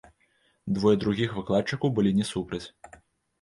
Двое другіх выкладчыкаў былі не супраць.